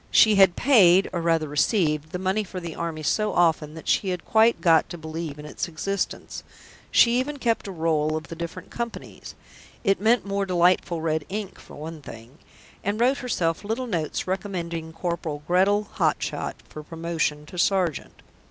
She had paid, or rather received, the money for the Army so often that she had quite got to believe in its existence. She even kept a roll of the different companies (it meant more delightful red ink for one thing), and wrote herself little notes recommending Corporal Gretal Hottshott for promotion to sergeant.